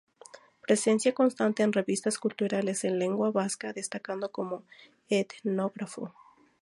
Presencia constante en revistas culturales en lengua vasca, destacando como etnógrafo.